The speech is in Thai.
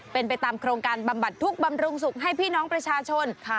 เป็นไปตามโครงการบำบัดทุกข์บำรุงสุขให้พี่น้องประชาชน